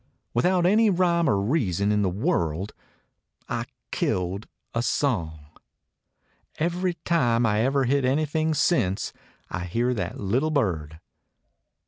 Without any rhyme or reason in the world, I killed — a song. Every time I 've ever hit anything since, I hear that little bird.